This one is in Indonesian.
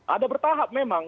ada bertahap memang